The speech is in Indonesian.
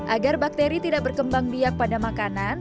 agar bakteri tidak berkembang biak pada makanan